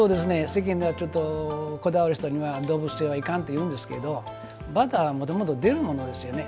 世間では、ちょっとこだわる人には動物性はいかんっていうんですがバターもともと出るものですよね。